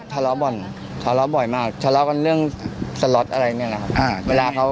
ทะเลาะบ่อยทะเลาะบ่อยมากทะเลาะกันเรื่องสล็อตอะไรเนี่ยนะครับเวลาเขา